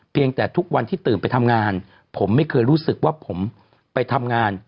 แต่ทุกวันที่ตื่นไปทำงานผมไม่เคยรู้สึกว่าผมไปทำงาน